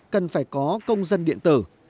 cần phải có công dân điện tử